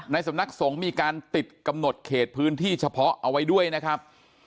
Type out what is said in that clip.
สำนักสงฆ์มีการติดกำหนดเขตพื้นที่เฉพาะเอาไว้ด้วยนะครับ